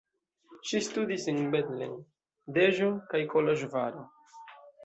Ŝi studis en Bethlen, Deĵo kaj Koloĵvaro.